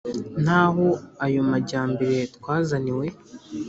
n’aho ayo majyambere twazaniwe